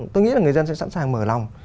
tôi nghĩ là người dân sẽ sẵn sàng mở lòng